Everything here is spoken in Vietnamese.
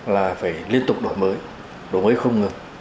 là phải liên tục đổi mới đổi mới không ngừng